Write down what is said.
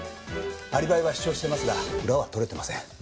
アリバイは主張していますが裏は取れてません。